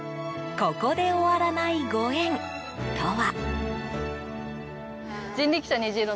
ここで終わらないご縁とは。